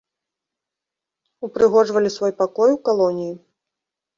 Упрыгожвалі свой пакой у калоніі.